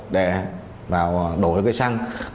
để vào đổ ra cây xăng